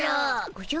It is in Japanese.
おじゃ。